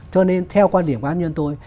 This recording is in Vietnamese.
cho nên theo quan điểm của an nhân tôi